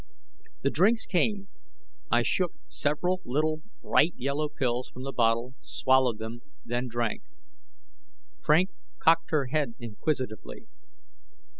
The drinks came. I shook several little, bright yellow pills from the bottle, swallowed them, then drank. Frank cocked her head inquisitively.